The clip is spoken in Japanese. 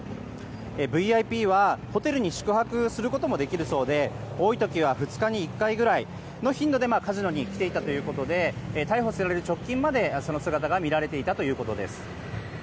ＶＩＰはホテルに宿泊することもできるそうで多い時は２日に１回ぐらいの頻度でカジノに来ていたということで逮捕される直近まで、その姿が見られていたということです。